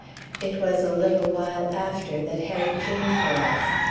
It was a little while after that Harry came for us.